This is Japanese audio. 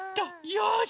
よし！